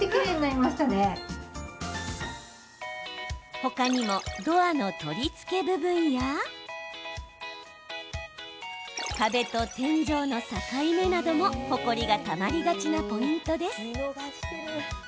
他にもドアの取り付け部分や壁と天井の境目などもほこりがたまりがちなポイントです。